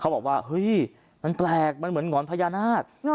บอกว่าเฮ้ยมันแปลกมันเหมือนหงอนพญานาค